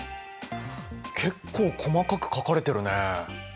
結構細かく書かれてるね。